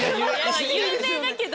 有名だけど。